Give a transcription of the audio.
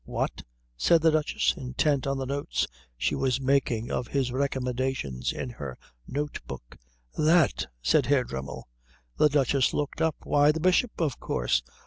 "What?" said the Duchess, intent on the notes she was making of his recommendations in her note book. "That," said Herr Dremmel. The Duchess looked up. "Why, the Bishop, of course.